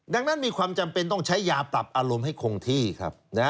ดังนั้นมีความจำเป็นต้องใช้ยาปรับอารมณ์ให้คงที่ครับ